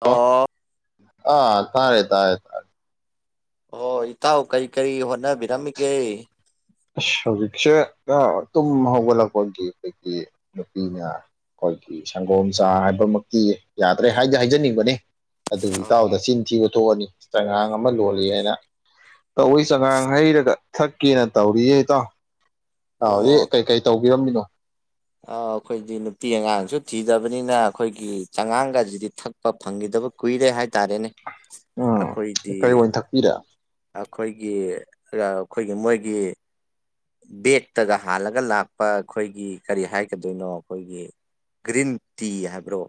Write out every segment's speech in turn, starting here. ꯑꯣ ꯑꯥ ꯍꯜꯂꯣ ꯇꯥꯔꯦ ꯇꯥꯔꯦ ꯇꯥꯔꯦ ꯑꯣ ꯏꯇꯥꯎ ꯀꯩ ꯀꯩ ꯍꯣꯠꯅꯕꯤꯔꯝꯃꯤꯒꯦ ꯑꯁ ꯍꯧꯖꯤꯛꯁꯦ ꯇꯥꯎ ꯇꯨꯝ ꯍꯧꯒꯠꯂꯛꯄꯒꯤ ꯈꯣꯏꯒꯤ ꯅꯨꯄꯤꯅ ꯈꯣꯏꯒꯤ ꯁꯪꯒꯣꯝ ꯆꯥ ꯍꯥꯏꯕꯃꯛꯇꯤ ꯌꯥꯗ꯭ꯔꯦ ꯍꯥꯏꯗꯤ ꯍꯥꯏꯖꯅꯤꯡꯕꯅꯤ ꯑꯗꯨꯒꯤ ꯑꯥ ꯏꯇꯥꯎꯗ ꯑꯥ ꯆꯤꯟ ꯊꯤꯕ ꯊꯣꯛꯑꯅꯤ ꯆꯉꯥꯡ ꯑꯃ ꯂꯣꯜꯂꯤ ꯍꯥꯏꯅ ꯇꯧꯕꯩ ꯆꯉꯥꯡ ꯍꯩꯔꯒ ꯊꯛꯀꯦꯅ ꯇꯧꯔꯤꯌꯦ ꯏꯇꯥꯎ ꯏꯇꯥꯎꯗꯤ ꯑꯣ ꯀꯩꯀꯩ ꯇꯧꯕꯤꯔꯝꯃꯤꯅꯣ ꯑꯈꯣꯏꯗꯤ ꯅꯨꯄꯤ ꯑꯉꯥꯡꯁꯨ ꯊꯤꯗꯕꯅꯤꯅ ꯈꯣꯏꯒꯤ ꯆꯉꯥꯡꯒꯁꯤꯗꯤ ꯊꯛꯄ ꯐꯪꯈꯤꯗꯕ ꯀꯨꯏ ꯔꯦ ꯍꯥꯏꯇꯥꯔꯦꯅꯦ ꯎꯝ ꯀꯔꯤ ꯑꯣꯏꯅ ꯊꯛꯄꯤꯔꯦ ꯑꯈꯣꯏꯒꯤ ꯑꯈꯣꯏꯒꯤ ꯃꯣꯏꯒꯤ ꯕꯦꯛꯇꯒ ꯍꯥꯜꯂꯒ ꯂꯥꯛꯄ ꯑꯩꯈꯣꯏꯒꯤ ꯀꯔꯤ ꯍꯥꯏꯒꯗꯣꯏꯅꯣ ꯑꯩꯈꯣꯏꯒꯤ ꯒ꯭ꯔꯤꯟ ꯇꯤ ꯍꯥꯏꯕ꯭ꯔꯣ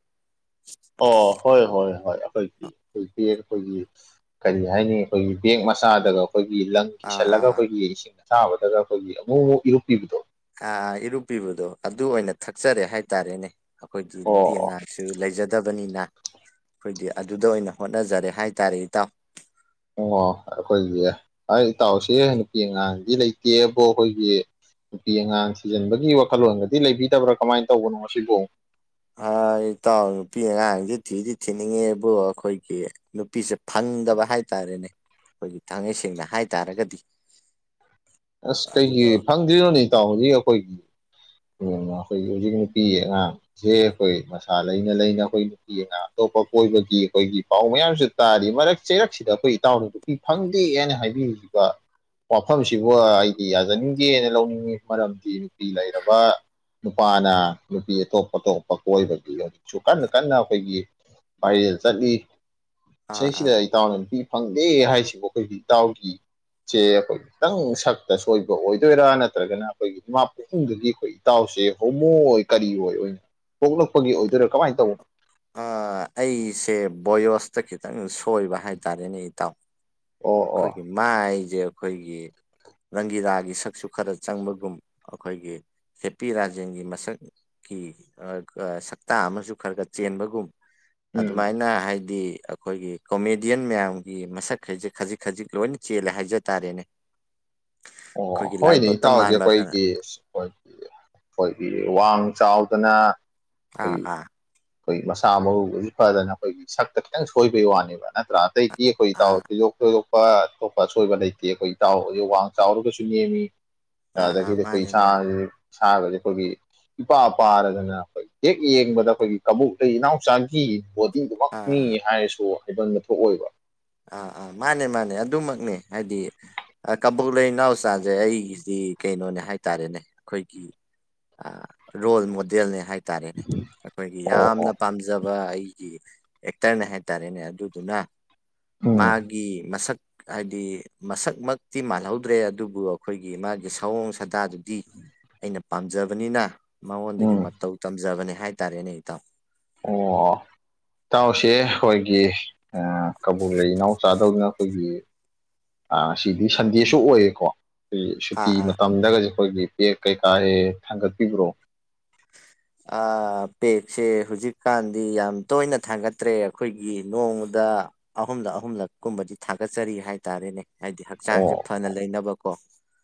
ꯑꯣ ꯍꯣꯏ ꯍꯣꯏ ꯍꯣꯏ ꯑꯈꯣꯏꯒꯤ ꯑꯈꯣꯏ ꯑꯈꯣꯏꯒꯤ ꯀꯔꯤ ꯍꯥꯏꯅꯤ ꯑꯈꯣꯏꯒꯤ ꯕꯦꯛ ꯃꯆꯥꯗꯒ ꯑꯈꯣꯏꯒꯤ ꯂꯪ ꯑꯥ ꯀꯤꯁꯜꯂꯒ ꯑꯥ ꯑꯈꯣꯏꯒꯤ ꯏꯁꯤꯡ ꯑꯁꯥꯕꯗꯒ ꯑꯈꯣꯏꯒꯤ ꯑꯃꯨꯛ ꯑꯃꯨꯛ ꯏꯔꯨꯞꯄꯤꯕꯗꯣ ꯑ ꯏꯔꯨꯞꯄꯤꯕꯗꯣ ꯑꯗꯨ ꯑꯣꯏꯅ ꯊꯛꯆꯔꯦ ꯍꯥꯏꯇꯥꯔꯦꯅꯦ ꯑꯈꯣꯏꯗꯤ ꯑꯣ ꯅꯨꯄꯤ ꯑꯣ ꯑꯉꯥꯡꯁꯨ ꯂꯩꯖꯗ ꯕꯅꯤꯅ ꯑꯈꯣꯏꯗꯤ ꯑꯗꯨꯗ ꯑꯣꯏꯅ ꯍꯣꯠꯅꯖꯔꯦ ꯍꯥꯏ ꯇꯔꯦ ꯏꯇꯥꯎ ꯑꯣ ꯑꯩꯈꯣꯏꯒꯤ ꯑ ꯏꯇꯥꯎꯁꯦ ꯅꯨꯄꯤ ꯑꯉꯥꯡꯗꯤ ꯂꯩꯇꯦꯕꯣ ꯈꯣꯏꯒꯤ ꯅꯨꯄꯤ ꯑꯉꯥꯡ ꯊꯤꯖꯤꯟꯕꯒꯤ ꯋꯥꯈꯜꯂꯣꯟꯒꯗꯤ ꯂꯩꯕꯤꯗꯕ꯭ꯔꯥ ꯀꯃꯥꯏꯅ ꯇꯧꯕꯅꯣ ꯃꯁꯤꯕꯨ ꯏꯇꯥꯎ ꯅꯨꯄꯤ ꯑꯉꯥꯡꯁꯤ ꯊꯤꯗꯤ ꯊꯤꯅꯤꯡꯉꯦꯕꯨ ꯑꯈꯣꯏꯒꯤ ꯅꯨꯄꯤꯁꯦ ꯐꯪ ꯈꯪꯗꯕ ꯍꯥꯏꯇꯥꯥꯔꯦꯅꯦ ꯑꯩꯈꯣꯏꯒꯤ ꯊꯥꯡꯃꯩ ꯁꯦꯡꯅ ꯍꯥꯏ ꯇꯥꯔꯒꯗꯤ ꯑꯁ ꯀꯩꯒꯤ ꯐꯪꯗ꯭ꯔꯤꯅꯣ ꯏ ꯇꯥꯎ ꯍꯧꯖꯤꯛ ꯑꯩꯈꯣꯏꯒꯤ ꯀ ꯑꯩꯈꯣꯏꯒꯤ ꯍꯧꯖꯤꯛ ꯅꯨꯄꯤ ꯑꯉꯥꯡꯁꯦ ꯑꯩꯈꯣꯏ ꯃꯁꯥ ꯂꯩꯅ ꯂꯩꯅ ꯑꯩꯈꯣꯏ ꯅꯨꯄꯤ ꯑꯉꯥꯡ ꯑꯇꯣꯞꯄ ꯀꯕꯒꯤ ꯑꯩꯈꯣꯏꯒꯤ ꯄꯥꯎ ꯃꯌꯥꯝꯁꯨ ꯇꯥꯔꯤ ꯃꯔꯛ ꯆꯩꯔꯛꯁꯤꯗ ꯑꯩꯈꯣꯏ ꯏꯇꯥꯎꯅꯗꯨꯄꯤ ꯐꯪꯗꯦꯅ ꯍꯥꯏꯕꯤ ꯍꯧꯖꯤꯛ ꯃꯐꯝ ꯁꯤꯕꯨ ꯑꯩꯗꯤ ꯌꯥꯖꯅꯤꯡꯗꯦꯅ ꯂꯧꯅꯤꯡꯏꯤ ꯃꯔꯝꯗꯤ ꯅꯨꯄꯤ ꯂꯩꯔꯕ ꯅꯨꯄꯥꯅ ꯅꯨꯄꯤ ꯑꯇꯣꯞ ꯑꯇꯣꯞꯄ ꯀꯣꯏꯕꯒꯤ ꯍꯧꯖꯤꯛꯁꯨ ꯀꯟꯅ ꯀꯟꯅ ꯑꯩꯈꯣꯏꯒꯤ ꯄꯥꯏ ꯆꯠꯂꯤ ꯑꯥ ꯑꯥ ꯑꯁꯤꯁꯤꯗ ꯏꯇꯥꯎꯅ ꯅꯨꯄꯤ ꯐꯪꯗꯦ ꯍꯥꯏꯁꯤꯕꯨ ꯑꯩꯈꯣꯏꯒꯤ ꯏꯇꯥꯎꯒꯤꯁꯦ ꯑꯩꯈꯣꯏ ꯈꯤꯇꯪ ꯁꯛꯇ ꯁꯣꯏꯕ ꯑꯣꯏꯗꯣꯏꯔꯥ ꯅꯠꯇ꯭ꯔꯒꯅ ꯑꯩꯈꯣꯏꯒꯤ ꯏꯃꯥ ꯄꯍꯨꯝꯗꯨꯗꯤ ꯑꯩꯈꯣꯏ ꯏꯇꯥꯎꯁꯦ ꯍꯧꯃꯣꯏ ꯀꯔꯤ ꯑꯣꯏ ꯑꯣꯏꯅ ꯄꯣꯛꯂꯛꯄꯒꯤ ꯑꯣꯏꯗꯣꯏꯔꯥ ꯀꯃꯥꯏꯅ ꯇꯧꯕ ꯑꯩꯁꯦ ꯕꯣꯣꯌꯣꯁꯇ ꯈꯤꯇꯪ ꯁꯣꯏꯕ ꯍꯥꯏꯇꯥꯥꯔꯦꯅꯦ ꯏꯇꯥꯎ ꯑꯣ ꯑꯣ ꯑꯩꯈꯣꯏꯒꯤ ꯃꯥꯏꯁꯦ ꯑꯩꯈꯣꯏꯒꯤ ꯔꯪꯒꯤꯔꯥꯒꯤ ꯁꯛꯁꯨ ꯈꯔ ꯆꯪꯕꯒꯨꯝ ꯑꯩꯈꯣꯏꯒꯤ ꯁꯦꯞꯄꯤ ꯔꯥꯖꯦꯟꯒꯤ ꯃꯁꯛ ꯁꯛꯇꯇꯥ ꯑꯃꯁꯨ ꯈꯔ ꯈꯔ ꯆꯦꯟꯕꯒꯨꯝ ꯎꯝ ꯑꯗꯨꯃꯥꯏꯅ ꯍꯥꯏꯗꯤ ꯑꯩꯈꯣꯏꯒꯤ ꯀꯣꯃꯦꯗꯤꯌꯟ ꯃꯌꯥꯝꯒꯤ ꯃꯁꯛꯈꯩꯁꯦ ꯈꯖꯤꯛ ꯈꯖꯤꯛ ꯂꯣꯏꯅ ꯆꯦꯜꯂꯦ ꯍꯥꯏꯖ ꯇꯥꯔꯦꯅꯦ ꯑꯣ ꯑꯩꯈꯣꯏꯒꯤ ꯍꯣꯏꯅꯦ ꯂꯥꯏꯕꯛꯇ ꯏꯇꯥꯎꯖꯤꯦ ꯃꯥꯟꯕ ꯈꯔ ꯑꯩꯈꯣꯏꯒꯤ ꯑꯩꯈꯣꯏꯒꯤ ꯑꯩꯈꯣꯏꯒꯤ ꯋꯥꯡ ꯆꯥꯎꯗꯅ ꯑꯥ ꯑꯩꯈꯣꯏꯒꯤ ꯑꯥ ꯑꯩꯈꯣꯏ ꯃꯁꯥ ꯃꯎ ꯍꯧꯖꯤꯛ ꯐꯗꯅ ꯑꯩꯈꯣꯏꯒꯤ ꯁꯛꯇ ꯈꯤꯇꯪ ꯁꯣꯏꯕꯩ ꯋꯥꯅꯦꯕ ꯅꯠꯇ꯭ꯔꯥ ꯑꯇꯩ ꯏ ꯑꯩꯈꯣꯏ ꯏꯇꯥꯎ ꯑꯥ ꯊꯣꯏꯗꯣꯛ ꯊꯣꯏꯗꯣꯛꯄ ꯑꯇꯣꯞꯄ ꯑꯁꯣꯏꯕ ꯂꯩꯇꯦ ꯑꯩꯈꯣꯏ ꯏꯇꯥꯎ ꯋꯥꯡ ꯆꯥꯎꯔꯒꯁꯨ ꯅꯦꯝꯃꯤ ꯑꯥ ꯑꯥ ꯑꯗꯒꯤꯗꯤ ꯑꯩꯈꯣꯏ ꯃꯥꯅꯦ ꯃꯥꯅꯦ ꯁꯥꯁꯦ ꯁꯥꯕꯁꯦ ꯑꯩꯈꯣꯏꯒꯤ ꯏꯄꯥ ꯄꯥꯔꯗꯅ ꯑꯩꯈꯣꯏ ꯍꯦꯛ ꯌꯦꯡꯕꯗ ꯑꯩꯈꯣꯏꯒꯤ ꯀꯕꯣꯛ ꯂꯩ ꯏꯅꯥꯎꯆꯥꯒꯤ ꯄꯣꯠ ꯑꯥ ꯗꯨꯃꯛꯅꯤ ꯑꯥ ꯍꯥꯏꯔꯁꯨ ꯍꯥꯏꯕꯟꯕ ꯊꯣꯛꯑꯣꯏꯕ ꯑꯥ ꯑꯥ ꯃꯥꯅꯦ ꯃꯥꯅꯦ ꯑꯗꯨꯃꯛꯅꯦ ꯍꯥꯏꯗꯤ ꯀꯕꯣꯛ ꯂꯩ ꯏꯅꯥꯎꯆꯥꯁꯦ ꯑꯩꯒꯤꯗꯤ ꯀꯩꯅꯣꯅꯦ ꯍꯥꯏꯇꯥꯔꯦꯅꯦ ꯑꯩꯈꯣꯏꯒꯤ ꯔꯣꯜ ꯃꯣꯗꯦꯜꯅꯦ ꯍꯥꯏꯇꯥꯔꯦꯅꯦ ꯑꯩꯈꯣꯏꯒꯤ ꯑꯣ ꯑꯣ ꯌꯥꯝꯅ ꯄꯥꯝꯖꯕ ꯑꯩ ꯑꯦꯛꯇꯔꯅꯦ ꯍꯥꯏꯇꯥꯔꯦꯅꯦ ꯑꯗꯨꯗꯨꯅ ꯎꯝ ꯃꯥꯒꯤ ꯃꯁꯛ ꯍꯥꯏꯗꯤ ꯃꯁꯛꯃꯛꯇꯤ ꯃꯥꯜꯍꯧꯗ꯭ꯔꯦ ꯑꯗꯨꯕꯨ ꯑꯩꯈꯣꯏꯒꯤ ꯃꯥꯒꯤ ꯁꯑꯣꯡ ꯁꯥꯗꯥꯗꯨꯗꯤ ꯑꯩꯅ ꯄꯥꯝꯖꯕꯅꯤꯅ ꯃꯉꯣꯟꯗꯒꯤ ꯎꯝ ꯃꯇꯧ ꯇꯝꯖꯕꯅꯦ ꯍꯥꯏ ꯇꯔꯦꯅꯦ ꯏꯇꯥꯎ ꯑꯣ ꯏꯇꯥꯎꯁꯦ ꯑꯩꯈꯣꯏꯒꯤ ꯀꯕꯨ꯭ꯔ ꯂꯩ ꯏꯅꯥꯎꯆꯥꯥꯗꯧꯅ ꯑꯩꯈꯣꯏꯒꯤ ꯑ ꯁꯤꯗꯤ ꯁꯟꯗꯦꯁꯨ ꯑꯣꯏꯌꯦꯀꯣ ꯑꯩꯈ ꯁꯨꯇꯤ ꯑꯥ ꯃꯇꯝꯗꯒ ꯑꯩꯈꯣꯏꯒꯤ ꯄꯦꯛ ꯀꯩꯀꯥ ꯍꯦ ꯊꯥꯡꯒꯠꯄꯤꯕ꯭ꯔꯣ ꯄꯦꯛꯁꯦ ꯍꯧꯖꯤꯛꯀꯥꯟꯗꯤ ꯌꯥꯝ ꯇꯣꯏꯅ ꯊꯥꯡꯒꯠꯇ꯭ꯔꯦ ꯑꯩꯈꯣꯏꯒꯤ ꯅꯣꯡꯃꯗ ꯑꯍꯨꯝꯂꯛ ꯑꯍꯨꯝꯂꯛ ꯀꯨꯝꯕꯗꯤ ꯊꯥꯒꯠꯆꯔꯤ ꯍꯥꯏꯇꯥꯔꯦꯅꯦ ꯍꯥꯏꯗꯤ ꯍꯛꯆꯥꯡꯁꯦ ꯑꯣ ꯐꯅ ꯂꯩꯅꯕꯀꯣ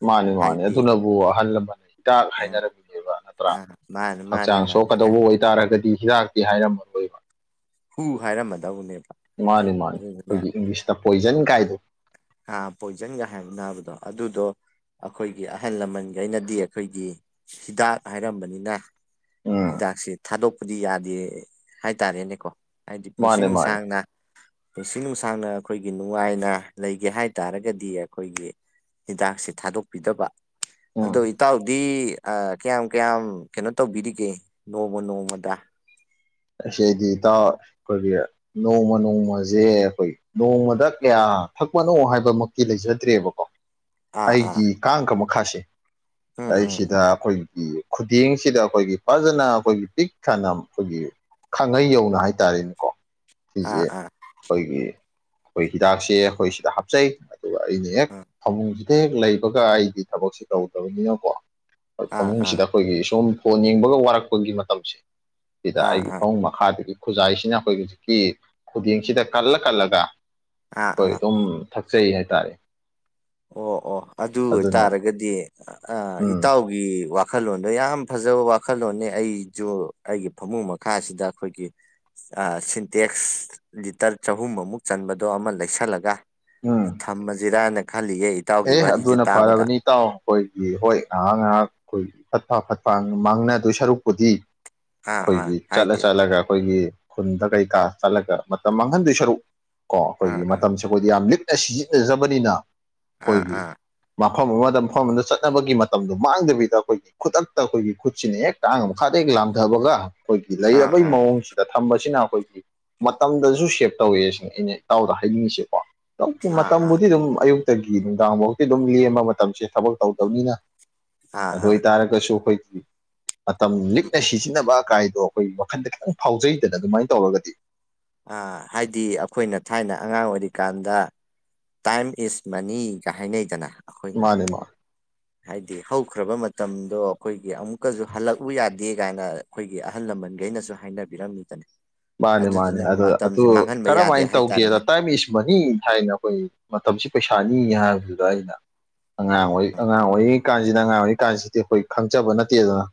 ꯃꯥꯅꯤ ꯃꯥꯅꯦ ꯍꯥꯏꯗꯤ ꯑꯗꯨꯅꯕꯨ ꯑꯍꯜ ꯂꯃꯟꯅ ꯍꯤꯗꯥꯛ ꯑ ꯍꯥꯏꯅꯔꯝꯃꯤꯅꯦꯕ ꯅꯠꯇ꯭ꯔꯥ ꯑ ꯃꯥꯅꯤ ꯃꯥꯅꯤ ꯃꯥꯅꯤ ꯍꯥꯏ ꯍꯥꯏꯔꯒꯗꯤ ꯍꯤꯗꯥꯛꯇꯦ ꯍꯥꯏꯔꯝꯃ ꯂꯣꯏꯕ ꯐ ꯍꯥꯏꯔꯝꯃꯗꯕꯨꯅꯦꯕ ꯃꯥꯅꯤ ꯃꯥꯅꯤ ꯑꯩꯈꯣꯏꯒꯤ ꯏꯪꯂꯤꯁꯇ ꯄꯣꯏꯖꯟ ꯀꯥꯏꯗ ꯑ ꯄꯣꯏꯖꯟꯒ ꯍꯥꯏꯕꯅꯥꯕꯗꯣ ꯑꯗꯨꯗꯣ ꯑꯩꯈꯣꯏꯒꯤ ꯑꯍꯜ ꯂꯃꯟꯒꯤꯩꯅꯗꯤ ꯑꯩꯈꯣꯏꯒꯤ ꯍꯤꯗꯥꯛ ꯍꯥꯏꯔꯝꯕꯅꯤꯅ ꯎꯝ ꯍꯤꯗꯥꯛꯁꯦ ꯊꯥꯗꯣꯛꯄꯗꯤ ꯌꯥꯗꯦ ꯍꯥꯏꯇꯥꯔꯦꯅꯦꯀꯣ ꯍꯥꯏꯗꯤ ꯄꯨꯟꯁꯤ ꯃꯥꯅꯦ ꯃꯥꯅꯦ ꯅꯨꯡꯁꯥꯡꯅ ꯄꯨꯟꯁꯤ ꯅꯨꯡꯁꯥꯡꯅ ꯑꯩꯈꯣꯏꯒꯤ ꯅꯨꯡꯉꯥꯏꯅ ꯂꯩꯒꯦ ꯍꯥꯏ ꯇꯥꯔꯒꯗꯤ ꯑꯩꯈꯣꯏꯒꯤ ꯍꯤꯗꯥꯛꯁꯦ ꯊꯥꯗꯣꯛꯄꯤꯗꯕ ꯑꯗꯣ ꯎꯝ ꯏꯇꯥꯎꯗꯤ ꯀꯌꯥꯝ ꯀꯌꯥꯝ ꯀꯩꯅꯣ ꯇꯧꯕꯤꯔꯤꯒꯦ ꯑꯣꯛ ꯅꯣꯡꯃ ꯅꯣꯡꯃꯗ ꯑꯩꯗꯤ ꯏꯇꯥꯎ ꯑꯩꯈꯣꯏꯒꯤ ꯅꯣꯡꯃ ꯅꯣꯡꯃꯁꯦ ꯑꯩꯈꯣꯏ ꯅꯣꯡꯃꯗ ꯀꯌꯥ ꯊꯛꯄꯅꯣ ꯍꯥꯏꯕꯃꯛꯇꯤ ꯂꯩꯖꯗ꯭ꯔꯦꯕꯀꯣ ꯑꯥ ꯑꯥ ꯑꯩꯒꯤ ꯀꯥꯡꯒ ꯃꯈꯥꯁꯦ ꯎꯝ ꯎꯝ ꯑꯩꯁꯤꯗ ꯑꯩꯈꯣꯏ ꯈꯨꯗꯤꯡꯁꯤꯗ ꯑꯩꯈꯣꯏꯒꯤ ꯐꯖꯅ ꯑꯩꯈꯣꯏꯒꯤ ꯄꯤꯛ ꯊꯥꯟꯅ ꯑꯩꯈꯣꯏꯒꯤ ꯈꯥꯡꯉꯩ ꯌꯧꯅ ꯍꯥꯏꯇꯥꯔꯦꯅꯦꯀꯣ ꯑꯥ ꯁꯤꯁꯦ ꯑꯥ ꯑꯩꯈꯣꯏꯒꯤ ꯑꯩꯈꯣꯏ ꯍꯤꯗꯥꯛꯁꯦ ꯑꯩꯈꯣꯏ ꯁꯤꯗ ꯍꯥꯞꯆꯩ ꯑꯗꯨꯒ ꯑꯩꯅ ꯍꯦꯛ ꯑꯥ ꯐꯃꯨꯡꯁꯤ ꯂꯦꯛ ꯂꯩꯕꯒ ꯑꯩꯗꯤ ꯊꯕꯛꯁꯦ ꯇꯧꯗꯕꯅꯤꯅꯀꯣ ꯑꯥ ꯑꯥ ꯐꯃꯨꯡꯁꯤꯗ ꯑꯩꯈꯣꯏꯒꯤ ꯁꯨꯝ ꯐꯣꯟ ꯌꯦꯡꯕꯒ ꯋꯥꯔꯛꯄꯒꯤ ꯃꯇꯝꯁꯦ ꯑꯥ ꯑꯥ ꯑꯗꯒꯤ ꯈꯨꯖꯥꯏꯁꯤꯅ ꯑꯩꯈꯣꯏ ꯍꯧꯖꯤꯛꯀꯤ ꯈꯨꯗꯤꯡꯁꯤꯗ ꯀꯜꯂ ꯀꯜꯂꯒ ꯑꯥ ꯍꯣꯏ ꯑꯥ ꯑꯗꯨꯝ ꯊꯛꯆꯩ ꯍꯥꯏꯇꯥꯔꯦ ꯑꯣ ꯑꯣ ꯑꯗꯨ ꯑꯗꯨꯅ ꯑꯣꯏꯇꯥꯔꯒꯗꯤ ꯎꯝ ꯏꯇꯥꯎꯒꯤ ꯋꯥ ꯋꯥꯈꯜꯂꯣꯟꯗꯣ ꯌꯥꯝ ꯐꯖꯕ ꯋꯥꯈꯜꯂꯣꯟꯅꯦ ꯑꯩꯖꯨ ꯑꯩꯒꯤ ꯐꯃꯨꯡ ꯃꯈꯥꯁꯤꯗ ꯑꯩꯈꯣꯏꯒꯤ ꯁꯤꯟꯇꯦꯛꯁ ꯂꯤꯇꯔ ꯆꯍꯨꯝꯃꯨꯛ ꯆꯟꯕꯗꯣ ꯑꯃ ꯂꯩꯁꯜꯂꯒ ꯎꯝ ꯊꯝꯃꯁꯤꯔꯥꯅ ꯑꯦ ꯑꯗꯨꯅ ꯐꯔꯕꯅꯤ ꯏꯇꯥꯎ ꯑꯩꯈꯣꯏꯒꯤ ꯍꯣꯏ ꯉꯥꯏꯍꯥꯛ ꯉꯥꯏꯍꯥꯛ ꯑꯩꯈꯣꯏ ꯐꯠ ꯐ ꯐꯠ ꯐ ꯃꯥꯡꯅꯗꯣꯏ ꯁꯔꯨꯛꯄꯨꯗꯤ ꯑꯥ ꯑꯥ ꯑꯩꯈꯣꯏꯒꯤ ꯆꯠꯂ ꯍꯥꯏꯗꯤ ꯆꯠꯂꯒ ꯑꯩꯈꯣꯏꯒꯤ ꯈꯨꯟꯗ ꯀꯩꯀꯥ ꯆꯠꯂꯒ ꯃꯇꯝ ꯃꯥꯡꯍꯟꯗꯣꯏ ꯁꯔꯨꯛ ꯀꯣ ꯑꯩꯈꯣꯏꯒꯤ ꯑꯥ ꯃꯇꯝꯁꯦ ꯑꯩꯈꯣꯏꯗꯤ ꯌꯥꯝ ꯂꯤꯛ ꯁꯤꯟꯅꯖꯕꯅꯤꯅ ꯑꯥ ꯑꯩꯈꯣꯏꯒꯤ ꯑꯥ ꯃꯐꯝ ꯑꯃꯗ ꯃꯐꯝ ꯑꯃꯗ ꯆꯠꯅꯕꯒꯤ ꯃꯇꯝꯗꯣ ꯃꯥꯡꯗꯕꯤꯗ ꯑꯩꯈꯣꯏꯒꯤ ꯈꯨꯗꯛꯇ ꯑꯩꯈꯣꯏꯒꯤ ꯈꯨꯠꯁꯤꯅ ꯍꯦꯛ ꯇꯥꯡꯒ ꯃꯈꯥꯗꯒꯤ ꯂꯥꯝꯊꯕꯒ ꯑꯩꯈꯣꯏꯒꯤ ꯑꯥ ꯂꯩꯔꯕꯒꯤ ꯑꯥ ꯃꯑꯣꯡꯁꯤꯗ ꯊꯝꯕꯁꯤꯅ ꯑꯩꯈꯣꯏꯒꯤ ꯃꯇꯝꯗꯁꯨ ꯁꯦꯞ ꯇꯧꯋꯦ ꯁꯤꯅ ꯑꯩꯅ ꯏꯇꯥꯎꯗ ꯍꯥꯏꯅꯤꯡꯉꯤꯁꯦꯀꯣ ꯑꯥ ꯑꯥ ꯃꯇꯝꯕꯨꯗꯤ ꯑꯗꯨꯝ ꯑꯌꯨꯛꯇꯒꯤ ꯅꯨꯡꯗꯥꯡꯐꯥꯎꯗꯤ ꯑꯗꯨꯝ ꯂꯦꯝꯕ ꯃꯇꯝꯁꯦ ꯊꯕꯛ ꯇꯧꯗꯕꯅꯤꯅ ꯑꯥ ꯑꯗꯨ ꯑꯥ ꯑꯣꯏ ꯇꯥꯔꯒꯁꯨ ꯈꯣꯏꯒꯤ ꯃꯇꯝ ꯂꯤꯛꯅ ꯁꯤꯖꯤꯟꯅꯕ ꯀꯥꯏꯗꯣ ꯑꯩꯈꯣꯏ ꯋꯥꯈꯟꯗ ꯈꯤꯇꯪ ꯐꯥꯎꯖꯩꯗꯅ ꯑꯗꯨꯃꯥꯏꯅ ꯇꯧꯔꯒꯗꯤ ꯑ ꯍꯥꯏꯗꯤ ꯑꯩꯈꯣꯏꯅ ꯊꯥꯏꯅ ꯑꯉꯥꯡ ꯑꯣꯏꯔꯤ ꯀꯥꯟꯗ ꯇꯥꯏꯝ ꯏꯁ ꯃꯅꯤꯒ ꯍꯥꯏꯅꯩꯗꯅ ꯑꯩꯈꯣꯏꯅ ꯃꯥꯅꯦ ꯃꯥ ꯍꯥꯏꯗꯤ ꯍꯧꯈ꯭ꯔꯕ ꯃꯇꯝꯗꯣ ꯑꯩꯈꯣꯏꯒꯤ ꯑꯃꯨꯛꯀꯁꯨ ꯍꯜꯂꯛꯎ ꯌꯥꯗꯦ ꯀꯥꯏꯅ ꯑꯩꯈꯣꯏꯒꯤ ꯑꯍꯜ ꯂꯃꯟ ꯃꯃꯟꯒ ꯅꯁꯨ ꯍꯥꯏꯅꯕꯤꯔꯝꯃꯤꯗꯅ ꯃꯥꯅꯦ ꯃꯥꯅꯦ ꯑꯗꯨꯗꯨꯅ ꯑꯗꯨ ꯑꯗꯨ ꯃꯇꯝꯁꯦ ꯃꯥꯡꯍꯟꯕ ꯌꯥꯗꯦ ꯀꯔꯝꯃꯥꯏꯅ ꯇꯧꯒꯦꯗ ꯍꯥꯏꯇꯥꯔꯦꯅꯦ ꯇꯥꯏꯝ ꯏꯁ ꯃꯅꯤ ꯍꯥꯏꯅ ꯑꯩꯈꯣꯏ ꯃꯇꯝꯁꯤ ꯄꯩꯁꯥ ꯁꯥꯅꯤ ꯍꯥꯏꯕꯗꯨꯗ ꯑꯩꯅ ꯑꯥ ꯑꯉꯥꯡꯔꯤ ꯑꯉꯥꯡ ꯑꯣꯏꯔꯤ ꯀꯥꯟꯁꯤꯅ ꯑꯉꯥꯡꯑꯣꯏꯔꯤ ꯀꯥꯟꯁꯤꯗꯤ ꯑꯩꯈꯣꯏ ꯈꯪꯖꯕ ꯅꯠꯇꯦꯗꯅ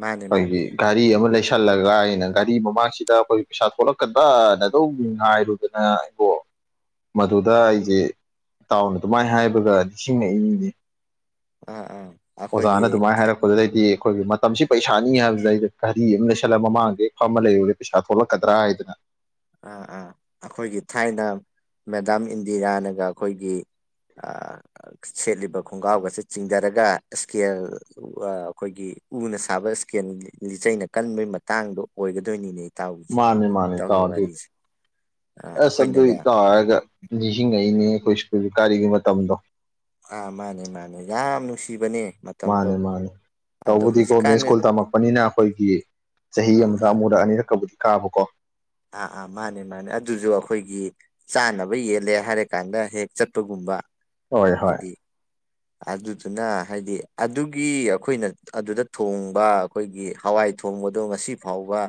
ꯃꯥꯅꯤ ꯃꯥꯅꯤ ꯑꯩꯈꯣꯏꯒꯤ ꯒꯥꯔꯤ ꯑꯃ ꯂꯩꯁꯟ ꯆꯜꯂꯒ ꯑꯩꯅ ꯒꯥꯔꯤ ꯃꯃꯥꯡꯁꯤꯗ ꯑꯩꯈꯣꯏꯒꯤ ꯄꯩꯁꯥ ꯊꯣꯛꯂꯛꯀꯥꯟꯗ꯭ꯔꯅ ꯑꯗꯨꯝ ꯉꯥꯏꯔꯨꯗꯅ ꯑꯩꯕꯣ ꯃꯗꯨꯗ ꯑꯩꯁꯦ ꯏꯇꯥꯎꯅ ꯑꯗꯨꯃꯥꯏꯅ ꯍꯥꯏꯕꯒ ꯅꯤꯡꯁꯤꯡꯉꯛꯏꯅꯤꯅꯦ ꯑꯥ ꯑꯥ ꯑꯣꯖꯥꯅ ꯑꯩꯈꯣꯏꯒꯤ ꯑꯗꯨꯃꯥꯏꯅ ꯍꯥꯏꯔꯛꯄꯗꯨꯗꯗꯤ ꯑꯩꯈꯣꯏꯒꯤ ꯃꯇꯝꯁꯤ ꯄꯩꯁꯥꯅꯤ ꯍꯥꯏꯕꯗ ꯑꯩꯩꯅ ꯘꯔꯤ ꯑꯃ ꯂꯩꯁꯜꯂꯒ ꯃꯃꯥꯡꯗꯍꯛ ꯐ ꯑꯃ ꯂꯩꯔꯨꯒꯦ ꯄꯩꯁꯥ ꯊꯣꯛꯂꯛꯀꯗ꯭ꯔꯥ ꯍꯥꯏꯗꯅ ꯑꯥ ꯑꯥ ꯑꯩꯈꯣꯏꯒꯤ ꯊꯥꯏꯅ ꯃꯦꯗꯥꯝ ꯏꯟꯗꯤꯔꯥꯅꯒ ꯑꯩꯈꯣꯏꯒꯤ ꯁꯦꯠꯂꯤꯕ ꯈꯣꯡꯒ꯭ꯔꯥꯎꯒꯁꯦ ꯆꯤꯡꯊꯔꯒ ꯏꯁꯀꯦꯜ ꯑꯩꯈꯣꯏꯒꯤ ꯎꯅ ꯁꯥꯕ ꯏꯁꯀꯦꯟ ꯂꯤꯆꯩꯅ ꯀꯟꯕꯒꯤ ꯃꯇꯥꯡꯗꯣ ꯑꯣꯏꯒꯗꯣꯏꯅꯤꯅꯦ ꯏꯇꯥꯎꯒꯤꯁꯦ ꯃꯥꯅꯤ ꯃꯥꯅꯤ ꯐꯇꯥꯎ ꯏꯇꯥꯎꯒꯤ ꯑꯗꯨ ꯋꯥꯔꯤꯁꯦ ꯑꯥ ꯑꯦꯁ ꯑꯗꯨꯏ ꯑꯩꯈꯣꯏꯅꯒ ꯏꯇꯥꯎ ꯍꯥꯏꯔꯒ ꯅꯤꯁꯤꯡ ꯉꯛꯏꯅꯤ ꯑꯩꯈꯣꯏ ꯁꯀꯨꯜ ꯀꯔꯤꯒꯤ ꯃꯇꯝꯗꯣ ꯑꯥ ꯃꯥꯅꯦ ꯃꯥꯅꯦ ꯌꯥꯝ ꯅꯨꯡꯁꯤꯕꯅꯦ ꯃꯇꯝꯗꯣ ꯃꯥꯅꯦ ꯃꯥꯅꯦ ꯑꯗꯣ ꯇꯧꯕꯗꯤ ꯒꯣꯔꯃꯦꯟ ꯍꯧꯖꯤꯛꯀꯥꯟ ꯁ꯭ꯀꯨꯜ ꯇꯝꯃꯛꯄꯅꯤꯅ ꯑꯩꯈꯣꯏꯒꯤ ꯆꯍꯤ ꯑꯥ ꯑꯃꯗ ꯑꯥ ꯑꯃꯨꯔꯛ ꯑꯅꯤꯔꯛꯀꯕꯨꯗꯤ ꯀꯥꯃꯨ ꯀꯣ ꯑꯥ ꯑꯥ ꯃꯥꯅꯦ ꯃꯥꯅꯦ ꯑꯗꯨꯁꯨ ꯑꯩꯈꯣꯏꯒꯤ ꯆꯥꯅꯕ ꯌꯦꯜꯂꯦ ꯍꯥꯏꯔꯀꯥꯟꯗ ꯍꯦꯛ ꯆꯠꯄꯒꯨꯝꯕ ꯍꯣꯏ ꯍꯣꯏ ꯍꯥꯏꯗꯤ ꯑꯗꯨꯗꯨꯅ ꯍꯥꯏꯗꯤ ꯑꯗꯨꯒꯤ ꯑꯩꯈꯣꯏꯅ ꯑꯗꯨꯗ ꯊꯣꯡꯕ ꯑꯩꯈꯣꯏꯒꯤ ꯍꯋꯥꯏ ꯊꯣꯡꯕꯗꯣ ꯉꯁꯤ ꯐꯥꯎꯕ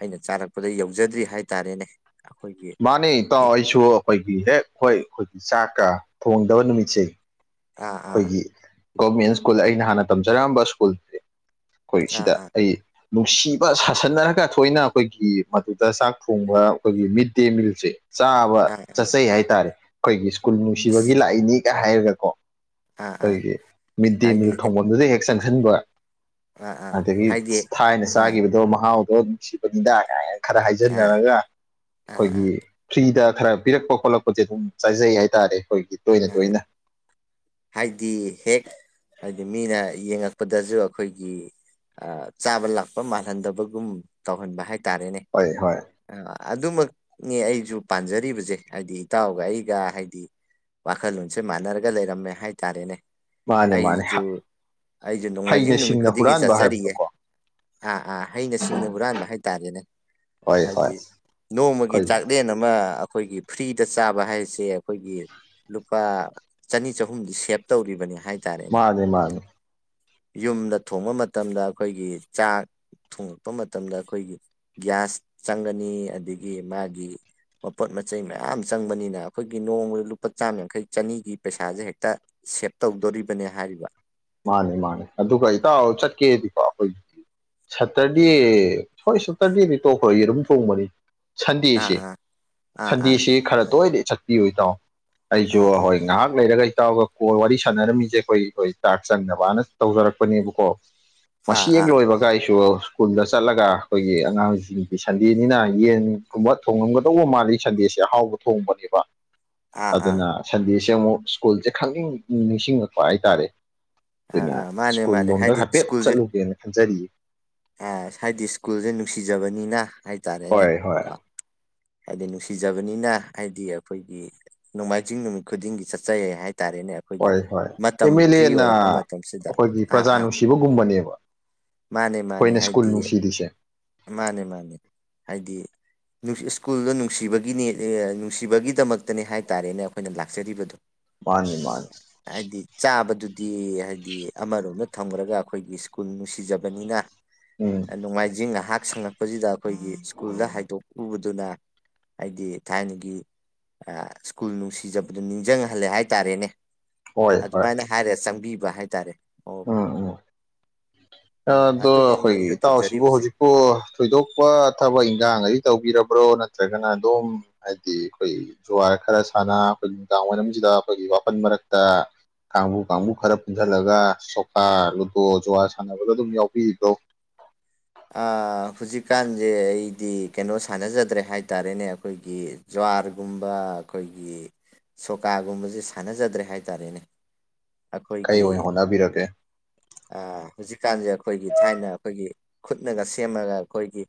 ꯑꯩꯅ ꯆꯥꯔꯛꯄꯗ ꯌꯧꯖꯗ꯭ꯔꯤ ꯍꯥꯏꯇꯥꯔꯦꯅꯦ ꯑꯩꯈꯣꯏꯒꯤ ꯃꯥꯅꯤ ꯏꯇꯥꯎ ꯑꯩꯁꯨ ꯑꯩꯈꯣꯏꯒꯤ ꯍꯦꯛ ꯍꯣꯏ ꯑꯩꯣꯏ ꯆꯥꯛꯀ ꯊꯣꯡꯗꯕ ꯅꯨꯃꯤꯠꯁꯦ ꯑꯥ ꯑꯥ ꯑꯩꯈꯣꯏꯒꯤ ꯒꯣꯔꯃꯦꯟ ꯁ꯭ꯀꯨꯜ ꯑꯩꯅ ꯍꯥꯟꯅ ꯇꯝꯖꯔꯝꯕ ꯁ꯭ꯀꯨꯜ ꯑꯩꯈꯣꯏ ꯑꯥ ꯁꯤꯗ ꯑꯥ ꯑꯩ ꯅꯨꯡꯁꯤꯕ ꯁꯥꯁꯟꯅꯔꯒ ꯊꯣꯏꯅ ꯑꯩꯈꯣꯏꯒꯤ ꯃꯗꯨꯗ ꯆꯥꯛ ꯊꯣꯡꯕ ꯑꯩꯈꯣꯏꯒꯤ ꯃꯤꯠ ꯗꯦ ꯃꯤꯜꯁꯦ ꯆꯥꯕ ꯑꯥ ꯆꯠꯆꯩ ꯍꯥꯏꯇꯥꯔꯦ ꯑꯩꯈꯣꯏꯒꯤ ꯁ꯭ꯀꯨꯜ ꯅꯨꯡꯁꯤꯕꯒꯤ ꯑꯁ ꯂꯥꯛꯏꯅꯤꯒ ꯍꯥꯏꯔꯒꯀꯣ ꯑꯥ ꯑꯥ ꯑꯩꯈꯣꯏꯒꯤ ꯃꯤꯠ ꯗꯦ ꯃꯤꯜ ꯊꯣꯡꯐꯝꯗꯨꯗ ꯍꯦꯛ ꯆꯪꯁꯤꯟꯕ ꯑꯥ ꯑꯥ ꯑꯗꯒꯤ ꯍꯥꯏꯗꯤ ꯊꯥꯏꯅ ꯑꯥ ꯆꯥꯈꯤꯕꯗꯣ ꯃꯍꯥꯎꯗꯣ ꯅꯨꯡꯁꯤꯕ ꯅꯤꯗꯥ ꯀ ꯈꯔ ꯑꯥ ꯍꯥꯏꯖꯟꯅꯔꯒ ꯑꯥ ꯑꯩꯈꯣꯏꯒꯤ ꯑꯥ ꯐ꯭ꯔꯤꯗ ꯈꯔ ꯄꯤꯔꯛꯄ ꯈꯣꯠꯂꯛꯄꯁꯦ ꯑꯗꯨꯝ ꯆꯥꯏꯖꯩ ꯍꯥꯏꯇꯥꯔꯦ ꯑꯩꯈꯣꯏꯒꯤ ꯇꯣꯏꯅ ꯑꯥ ꯇꯣꯏꯅ ꯍꯥꯏꯗꯤ ꯍꯦꯛ ꯍꯥꯏꯗꯤ ꯃꯤꯅ ꯌꯦꯡꯉꯛꯄꯗꯁꯨ ꯑꯩꯈꯣꯏꯒꯤ ꯆꯥꯕ ꯂꯥꯛꯄ ꯃꯥꯜꯍꯟꯗꯕꯒꯨꯝ ꯇꯧꯍꯟꯕ ꯍꯥꯏꯇꯥꯔꯦꯅꯦ ꯍꯣꯏ ꯍꯣꯏ ꯑꯗꯨꯃꯛꯅꯦ ꯑꯩꯁꯨ ꯄꯥꯟꯖꯔꯤꯕꯁꯦ ꯍꯥꯏꯗꯤ ꯏꯇꯥꯎꯒ ꯑꯩꯒ ꯍꯥꯏꯗꯤ ꯋꯥꯈꯜꯂꯣꯟꯁꯦ ꯃꯥꯟꯅꯔꯒ ꯂꯩꯔꯝꯃꯦ ꯍꯥꯏꯇꯥꯔꯦꯅꯦ ꯃꯥꯅꯦ ꯃꯥꯅꯦ ꯑꯩꯁꯨ ꯑꯩꯁꯨ ꯅꯣꯡꯃꯥꯏꯖꯤꯡ ꯍꯩꯅ ꯅꯨꯃꯤꯠ ꯁꯤꯡꯅ ꯈꯨꯗꯤꯡꯒꯤ ꯍꯨꯔꯥꯟꯕ ꯆꯠꯆꯔꯤꯌꯦꯦ ꯍꯥꯏꯕꯗꯣꯀꯣ ꯑꯥ ꯑꯥ ꯍꯩꯅ ꯁꯤꯡꯅ ꯍꯨꯔꯥꯟꯕ ꯍꯥꯏꯇꯥꯔꯦꯅꯦ ꯍꯣꯏ ꯍꯣꯏ ꯍꯥꯏꯕꯗꯤ ꯅꯣꯡꯃꯒꯤ ꯑꯩꯈꯣꯏ ꯆꯥꯛꯂꯦꯟ ꯑꯃ ꯑꯩꯈꯣꯏꯒꯤ ꯐ꯭ꯔꯤꯗ ꯆꯥꯕ ꯍꯥꯏꯁꯦ ꯑꯩꯈꯣꯏꯒꯤ ꯂꯨꯄꯥ ꯆꯅꯤ ꯆ ꯑꯍꯨꯝꯗꯤ ꯁꯦꯞ ꯇꯧꯔꯤꯕꯅꯦ ꯃꯥꯅꯦ ꯃꯥꯅꯦ ꯌꯨꯝꯗ ꯊꯣꯡꯕ ꯃꯇꯝꯗ ꯑꯩꯈꯣꯏꯒꯤ ꯆꯥꯛ ꯊꯨꯡꯉꯛꯄ ꯃꯇꯝꯗ ꯑꯩꯈꯣꯏꯒꯤ ꯒ꯭ꯌꯥꯁ ꯆꯪꯒꯅꯤ ꯑꯗꯒꯤ ꯃꯥꯒꯤ ꯃꯄꯣꯠ ꯃꯆꯩ ꯃꯌꯥꯝ ꯆꯪꯕꯅꯤꯅ ꯑꯩꯈꯣꯏꯒꯤ ꯅꯣꯡꯃꯗ ꯂꯨꯄꯥ ꯆꯥꯝ ꯌꯥꯡꯈꯩ ꯆꯅꯤꯒꯤ ꯄꯩꯁꯥꯁꯦ ꯍꯦꯛꯇ ꯇ ꯁꯦꯞ ꯇꯧꯗꯣꯔꯤꯕꯅꯦ ꯍꯥꯏꯔꯤꯕ ꯃꯥꯅꯤ ꯃꯥꯅꯤ ꯑꯗꯨꯒ ꯏꯇꯥ ꯆꯠꯀꯦꯗꯤꯀꯣ ꯑꯩꯈꯣꯏꯒꯤꯗꯤ ꯁꯇꯔꯗꯦ ꯍꯣꯏ ꯁꯇꯔꯗꯦꯅꯤ ꯇꯣꯛꯈ꯭ꯔ ꯌꯦ ꯑꯗꯨꯨꯝ ꯊꯣꯡꯕꯅꯤ ꯑꯥ ꯁꯟꯗꯦꯁꯤ ꯑꯥ ꯑꯥ ꯁꯟꯗꯦꯁꯤ ꯈꯔ ꯇꯣꯏꯅ ꯆꯠꯄꯤꯌꯨ ꯇꯥꯑꯣ ꯑꯩꯁꯨ ꯑꯥ ꯑꯥ ꯍꯣꯏ ꯉꯥꯏꯍꯥꯛ ꯂꯩꯔꯒ ꯏꯇꯥꯎꯒ ꯀ ꯋꯥꯔꯤ ꯁꯥꯟꯅꯔꯝꯃꯤꯁꯦ ꯑꯩꯈꯣꯏ ꯍꯣꯏ ꯆꯥꯛ ꯆꯪꯅꯕꯅ ꯇꯧꯖꯔꯛꯄꯅꯦꯕꯀꯣ ꯑꯥ ꯃꯁꯤ ꯑꯥ ꯑꯥ ꯂꯣꯏꯕꯒꯥꯏꯁꯨ ꯁ꯭ꯀꯨꯜꯗ ꯆꯠꯂꯒ ꯑꯩꯈꯣꯏꯒꯤ ꯑꯉꯥꯡꯁꯤꯡꯒꯤ ꯁꯟꯗꯦꯅꯤꯅ ꯌꯦꯟꯒꯨꯝꯕ ꯊꯣꯡꯉꯝꯒꯗꯧꯕ ꯃꯥꯜꯂꯤ ꯁꯟꯗꯦ ꯁꯦ ꯑꯍꯥꯎꯕ ꯊꯣꯡꯕꯅꯦꯕ ꯑꯥ ꯑꯥ ꯑꯗꯨꯅ ꯁꯟꯗꯦꯁꯦ ꯑꯃꯨꯛ ꯁ꯭ꯀꯨꯜꯁꯦ ꯈꯪꯅꯤꯡ ꯅꯤꯡꯁꯤꯡꯉꯛꯄ ꯍꯥꯏꯇꯥꯔꯦ ꯑꯥ ꯑꯗꯨꯩꯅ ꯑꯥ ꯃꯥꯅꯦ ꯁ꯭ꯀꯨꯜ ꯃꯥꯅꯦ ꯂꯣꯝꯗ ꯍꯥꯏꯐꯦꯠ ꯆꯠꯂꯨꯒꯦꯅ ꯈꯟꯖꯔꯤꯌꯦ ꯑ ꯍꯥꯏꯗꯤ ꯁ꯭ꯀꯨꯜꯁꯦ ꯅꯨꯡꯁꯤꯖꯕꯅꯤꯅ ꯍꯥꯏꯇꯥꯔꯦꯅꯦ ꯍꯣꯏ ꯍꯣꯏ ꯀꯣ ꯍꯥꯏꯗꯤ ꯅꯨꯡꯁꯤꯖꯕꯅꯤꯅ ꯍꯥꯏꯗꯤ ꯑꯩꯈꯣꯏꯒꯤ ꯅꯣꯡꯃꯥꯏꯖꯤꯡ ꯅꯨꯃꯤꯠ ꯈꯨꯗꯤꯡꯒꯤ ꯆꯠꯆꯩ ꯍꯥꯏ ꯍꯥꯏꯇꯥꯥꯔꯦꯅꯦ ꯑꯩꯈꯣꯏꯒꯤ ꯍꯣꯏ ꯍꯣꯏ ꯃꯇꯝ ꯑꯦꯝ ꯑꯦꯜ ꯐ꯭ꯔꯤ ꯑꯦꯅ ꯑꯣꯏꯔꯛꯄ ꯃꯇꯝꯁꯤꯗ ꯑꯥ ꯑꯥ ꯅꯨꯡꯁꯤꯕꯒꯨꯝꯕꯅꯦꯕ ꯃꯥꯅꯦ ꯃꯥꯅꯦ ꯑꯩꯈꯣꯏꯅ ꯁ꯭ꯀꯨꯜ ꯍꯥꯏꯗꯤ ꯅꯨꯡꯁꯤꯔꯤꯁꯦ ꯃꯥꯅꯦ ꯃꯥꯅꯦ ꯍꯥꯏꯗꯤ ꯁ꯭ꯀꯨꯜꯗꯣ ꯅꯨꯡꯁꯤꯕꯒꯤꯅꯤ ꯅꯨꯡꯁꯤꯕꯒꯤꯗꯃꯛꯇꯅꯦ ꯍꯥꯏ ꯇꯔꯦꯅ ꯑꯩꯈꯣꯏꯅ ꯂꯥꯛꯆꯔꯤꯕꯗꯨꯣ ꯃꯥꯅꯤ ꯃꯥꯅꯤ ꯍꯥꯏꯗꯤ ꯆꯥꯕꯗꯨꯗꯤ ꯍꯥꯏꯗꯤ ꯑꯃꯔꯣꯝ ꯅꯠꯇ ꯊꯝꯈ꯭ꯔꯒ ꯑꯩꯈꯣꯏꯒꯤ ꯁ꯭ꯀꯨꯜ ꯅꯨꯡꯁꯤꯖꯕꯅꯤꯅ ꯎꯝ ꯅꯣꯡꯃꯥꯏꯖꯤꯡ ꯅꯥꯏꯍꯥꯛ ꯁꯉꯛꯄꯁꯤꯗ ꯑꯩꯈꯣꯏꯒꯤ ꯁ꯭ꯀꯨꯜꯗ ꯍꯥꯏꯗꯣꯛꯎꯕꯗꯨꯅ ꯍꯥꯏꯗꯤ ꯊꯥꯏꯅꯒꯤ ꯁ꯭ꯀꯨꯜ ꯅꯨꯡꯁꯤꯖꯕꯗ ꯅꯤꯡꯁꯤꯡꯍꯜꯂꯦ ꯍꯥꯏꯇꯥꯔꯦꯅꯦ ꯍꯣꯏ ꯍꯣꯏ ꯑꯗꯨꯃꯥꯏꯅ ꯍꯥꯏꯔꯦ ꯆꯪꯕꯤꯕ ꯍꯥꯏꯇꯥꯔꯦ ꯑꯣ ꯎꯝ ꯎꯝ ꯑꯥ ꯑꯗꯣ ꯑꯗꯨꯃꯅꯦ ꯑꯩꯈꯣꯏꯒꯤ ꯑꯩꯁꯨ ꯏꯇꯥꯎꯁꯤꯕꯨ ꯇꯧꯖꯔꯤꯕꯁꯦ ꯍꯧꯖꯤꯛꯄꯨ ꯊꯣꯏꯗꯣꯛꯄ ꯊꯕꯛ ꯏꯟꯈꯥꯡ ꯑꯗꯨ ꯇꯧꯕꯤꯔꯕ꯭ꯔꯣ ꯅꯠꯇ꯭ꯔꯒꯅ ꯑꯗꯨꯝ ꯍꯥꯏꯗꯤ ꯑꯩꯈꯣꯏ ꯖꯨꯋꯥ ꯈ ꯈꯔ ꯁꯥꯟꯅ ꯑꯩꯈꯣꯏꯒꯤ ꯅꯨꯡꯗꯥꯡ ꯋꯥꯏꯔꯝꯁꯤꯗ ꯑꯩꯈꯣꯏꯒꯤ ꯋꯥꯄꯜ ꯃꯔꯛꯇ ꯀꯥꯡꯕꯨ ꯀꯥꯡꯕꯨ ꯈꯔ ꯄꯨꯟꯓꯜꯂꯒ ꯁꯣꯀꯥ ꯂꯨꯗꯣ ꯖꯨꯍꯥ ꯁꯥꯟꯅꯕꯗꯣ ꯑꯗꯨꯝ ꯌꯥꯎꯕꯤꯔꯤꯕ꯭ꯔꯣ ꯑꯥ ꯍꯧꯖꯤꯛꯀꯥꯟꯁꯦ ꯑꯩꯗꯤ ꯀꯩꯅꯣ ꯁꯥꯟꯅꯖꯗ꯭ꯔꯦ ꯍꯥꯏꯇꯥꯔꯦꯅꯦ ꯑꯩꯈꯣꯏꯒꯤ ꯖ꯭ꯋꯥꯔꯒꯨꯝꯕ ꯑꯩꯈꯣꯏ ꯑꯩꯈꯣꯏꯒꯤ ꯁꯣꯀꯥꯒꯨꯝꯕꯁꯦ ꯁꯥꯟꯅꯖꯗ꯭ꯔꯦ ꯍꯥꯏꯇꯥꯔꯦꯅꯦ ꯀꯩ ꯑꯩꯈꯣꯏꯒꯤ ꯑꯣꯏꯅ ꯍꯣꯠꯅꯕꯤꯔꯒꯦ ꯑꯥ ꯍꯧꯖꯤꯛꯀꯥꯟꯁꯦ ꯑꯩꯈꯣꯏꯒꯤ ꯊꯥꯏꯅ ꯑꯩꯈꯣꯏꯒꯤ ꯈꯨꯠꯅꯒ ꯁꯦꯝꯃꯒ ꯑꯩꯈꯣꯏꯒꯤ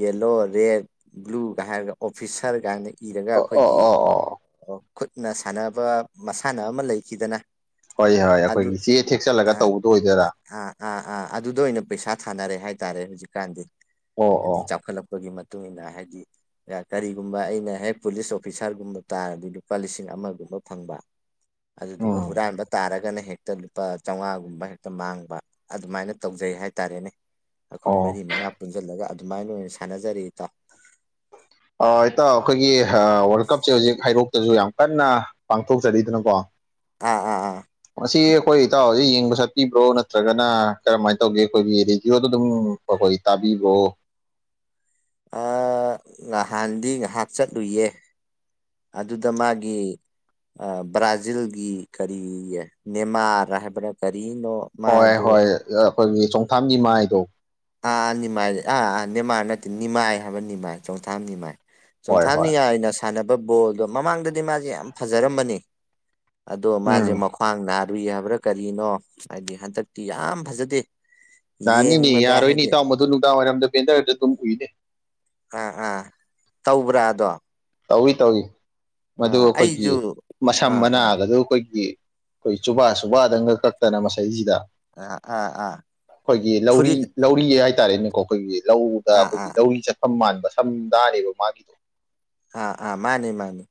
ꯌꯦꯜꯂꯣ ꯔꯦꯠ ꯕ꯭ꯂꯨ ꯀ ꯍꯥꯏꯔꯒ ꯑꯣꯐꯤꯁꯔ ꯀꯥꯏꯅꯤ ꯏꯔꯒ ꯑꯣ ꯑꯣ ꯑꯩꯈꯣꯏꯒꯤ ꯑꯣ ꯑꯣ ꯈꯨꯠꯅ ꯁꯥꯟꯅꯕ ꯃꯁꯥꯟꯅ ꯑꯃ ꯂꯩꯈꯤꯗꯅ ꯍꯣꯏ ꯍꯣꯏ ꯑꯗꯨ ꯑꯩꯈꯣꯏꯒꯤ ꯆꯦ ꯑ ꯊꯦꯛꯆꯜꯂꯒ ꯇꯧꯕꯗꯣ ꯑꯣꯏꯗꯣꯏꯔꯥ ꯑꯥ ꯑꯥ ꯑꯥ ꯑꯗꯨꯗ ꯑꯣꯏꯅ ꯄꯩꯁꯥ ꯊꯥꯅꯔꯦ ꯍꯥꯏꯇꯥꯔꯦ ꯍꯧꯖꯤꯛꯀꯥꯟꯗꯤ ꯑꯣ ꯍꯥꯏꯗꯤ ꯑꯣ ꯆꯥꯎꯈꯠꯂꯛꯄꯒꯤ ꯏꯟꯅ ꯍꯥꯏꯗꯤ ꯀꯔꯤꯒꯨꯝꯕ ꯑꯩꯅ ꯍꯦꯛ ꯄꯨꯂꯤꯁ ꯑꯣꯐꯤꯁꯥꯔꯒꯨꯝꯕ ꯇꯥꯔꯗꯤ ꯂꯨꯄꯥ ꯂꯤꯁꯤꯡ ꯑꯃꯒꯨꯝꯕ ꯐꯪꯕ ꯑꯗꯨꯗꯨꯒ ꯎꯝ ꯍꯨꯔꯥꯟꯕ ꯊꯥꯔꯒꯅ ꯍꯦꯛꯇ ꯂꯨꯄꯥ ꯆꯥꯝꯃꯉꯥꯒꯨꯝꯕ ꯍꯦꯛꯇ ꯃꯥꯡꯕ ꯑꯗꯨꯃꯥꯏꯅ ꯇꯧꯖꯩ ꯍꯥꯏꯇꯥꯔꯦꯅꯦ ꯑꯩꯈꯣꯏ ꯃꯔꯤ ꯃꯉꯥ ꯄꯨꯟꯁꯤꯜꯂꯒ ꯑꯗꯨꯃꯥꯏꯅ ꯑꯣꯏꯅ ꯁꯥꯟꯅꯖꯔꯗ ꯏꯇꯥ ꯑꯩꯈꯣꯏꯒꯤ ꯋꯥꯔꯜ ꯀꯞꯁꯦ ꯍꯧꯖꯤꯛ ꯍꯥꯏꯔꯣꯛ ꯇꯁꯨ ꯌꯥꯝ ꯀꯟꯅ ꯄꯥꯡꯊꯣꯛꯆꯔꯤꯗꯅꯀꯣ ꯑꯥ ꯑꯥ ꯑꯥ ꯑꯁꯤ ꯑꯩꯈꯣꯏ ꯏꯇꯥꯎꯖꯤꯛ ꯌꯦꯡꯕ ꯆꯠꯄꯤꯕ꯭ꯔꯣ ꯅꯠꯇ꯭ꯔꯒꯅ ꯀꯔꯝꯍꯥꯏꯅ ꯇꯧꯒꯦ ꯑꯩꯈꯣꯏꯒꯤ ꯔꯦꯗꯤꯌꯑꯣꯗ ꯑꯗꯨꯝ ꯑꯩꯣꯏ ꯇꯥꯕꯤꯕꯨ ꯑ ꯉꯍꯥꯟꯗꯤ ꯉꯥꯏꯍꯥꯛ ꯆꯠꯂꯨꯌꯦ ꯑꯗꯨꯗ ꯃꯥꯒꯤ ꯑ ꯕ꯭ꯔꯥꯖꯤꯜꯒꯤ ꯀꯔꯤ ꯅꯦꯃꯥꯔ ꯍꯥꯏꯕꯅ ꯀꯔꯤ ꯑꯅꯣ ꯃꯥ ꯍꯣꯏ ꯑꯗꯨ ꯍꯣꯏ ꯑꯩꯈꯣꯏꯒꯤ ꯆꯣꯡꯊꯥꯝꯒꯤ ꯃꯥꯏꯗꯣ ꯑꯥ ꯑꯥ ꯅꯤꯃꯥꯏ ꯑꯥ ꯑꯥ ꯅꯦꯃꯥꯔ ꯅꯠꯇꯦ ꯅꯤꯃꯥꯏ ꯍꯥꯏꯕ ꯅꯤꯃꯥꯏ ꯆꯧꯊꯥ ꯅꯤꯃꯥꯏ ꯍꯣꯏ ꯍꯣꯏ ꯆꯣꯡꯊꯥꯅꯤꯉꯥꯏꯅ ꯁꯥꯟꯅꯕ ꯕꯣꯜꯗꯣ ꯃꯃꯥꯡꯗꯗꯤ ꯃꯥꯁꯦ ꯌꯥꯝ ꯐꯖꯔꯝꯕꯅꯤ ꯑꯗꯣ ꯃꯥꯁꯦ ꯎꯝ ꯃꯈ꯭ꯡ ꯅꯥꯔꯨꯏ ꯍꯥꯏꯕ꯭ꯔꯥ ꯀꯔꯤꯅꯣ ꯍꯥꯏꯗꯤ ꯍꯟꯗꯛꯇꯤ ꯌꯥꯝ ꯐꯖꯗꯦ ꯌꯦꯕ ꯌꯥꯔꯣꯏꯅꯤ ꯏꯇꯥꯎ ꯃꯗꯨ ꯅꯨꯡꯗꯥꯡꯋꯥꯏꯔꯝꯗ ꯄꯦꯟꯗꯔꯗ ꯑꯗꯨꯝ ꯎꯏꯗꯦ ꯑꯥ ꯑꯥ ꯇꯧꯕ꯭ꯔꯥ ꯑꯗꯣ ꯇꯧꯏꯤ ꯇꯧꯏꯤ ꯃꯗꯨ ꯑꯥ ꯑꯩꯈꯣꯏꯒꯤ ꯑꯩꯁꯨ ꯃꯁꯝ ꯑꯥ ꯑꯥ ꯃꯅꯥꯒꯗꯨ ꯑꯩꯈꯣꯏꯒꯤ ꯑꯩꯈꯣꯏ ꯆꯨꯕꯥ ꯁꯨꯕꯥꯗꯪꯒ ꯀꯛꯇꯅ ꯃꯁꯩꯁꯤꯗ ꯑꯥ ꯑꯥ ꯑꯥ ꯑꯩꯈꯣꯏꯒꯤ ꯂꯧꯔꯤ ꯐꯨꯔꯤꯠ ꯂꯧꯔꯤ ꯍꯥꯏ ꯍꯥꯏꯇꯥꯔꯦꯅꯦꯀꯣ ꯑꯩꯈꯣꯏꯒꯤ ꯂꯧꯗ ꯑꯥ ꯑꯩꯈꯣꯏꯒꯤ ꯑꯥ ꯂꯧꯔꯤ ꯆꯠꯐꯝ ꯃꯥꯟꯕ ꯁꯝꯗꯥꯅꯦꯕ ꯃꯥꯒꯤꯗꯣ ꯑꯥ ꯑꯥ ꯃꯥꯅꯤ ꯃꯥꯅꯤ